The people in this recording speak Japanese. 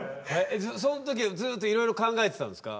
その時はずっといろいろ考えてたんですか？